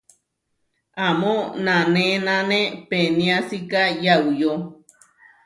Amó nanénane peniásika yauyó.